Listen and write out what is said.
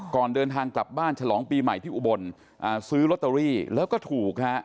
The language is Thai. ก่อนเดินทางกลับบ้านฉลองปีใหม่ที่อุบลซื้อลอตเตอรี่แล้วก็ถูกฮะ